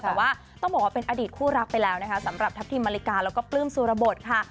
แต่ว่าต้องบอกว่าเป็นอดีตคู่รักไปแล้วนะคะสำหรับทัพทิมมาริกาแล้วก็ปลื้มสุรบทค่ะ